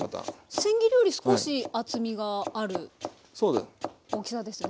せん切りより少し厚みがある大きさですね。